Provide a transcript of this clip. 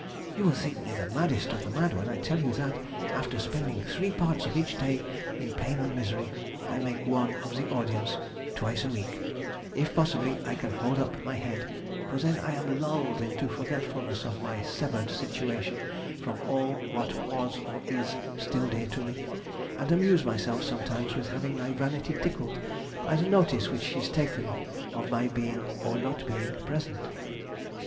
You will think me the maddest of the mad when I tell you that, after spending three parts of each day in pain and misery, I make one of the audience twice a week, if possibly I can hold up my head; for then I am lulled into forgetfulness of my severed situation from all what was or is still dear to me, and amuse myself sometimes with having my vanity tickled by the notice which is taken of my being or not being present.